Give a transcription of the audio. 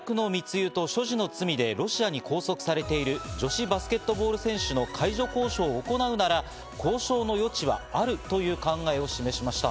しかし麻薬の密輸と所持の罪でロシアに拘束されている女子バスケットボール選手の解除交渉を行うなら交渉の余地はあるという考えを示しました。